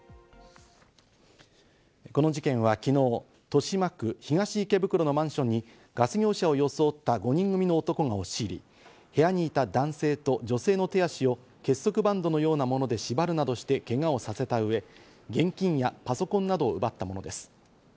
この事件は昨日、豊島区東池袋のマンションにガス業者を装った５人組の男が押し入り、部屋にいた男性と女性の手足を結束バンドのようなもので縛るなどしてけがをさせた上、現金やパソコンなどを奪ったものです。